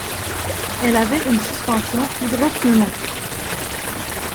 Elle avait une suspension hydropneumatique.